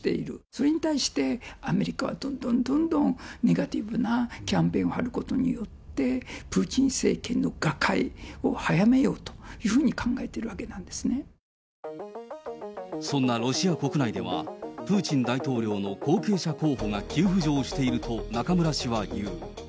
それに対して、アメリカはどんどんどんどんネガティブなキャンペーンを張ることによって、プーチン政権の瓦解を早めようというふうに考えているわけなんでそんなロシア国内では、プーチン大統領の後継者候補が急浮上していると中村氏は言う。